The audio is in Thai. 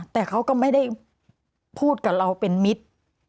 แต่เขาก็ไม่ได้พูดกับเราเป็นมิตร